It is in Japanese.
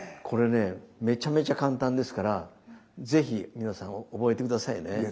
これねめちゃめちゃ簡単ですから是非皆さん覚えて下さいね。